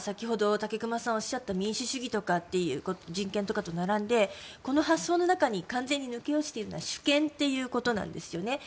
先ほど武隈さんがおっしゃった民主主義とか人権とかと並んでこの発想の中に完全に抜け落ちているのは主権ということなんですよね。